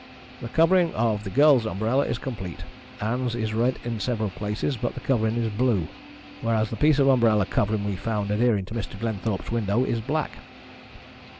The covering of the girl's umbrella is complete. Ann's is rent in several places, but the covering is blue, whereas the piece of umbrella covering we found adhering to Mr. Glenthorpe's window is black.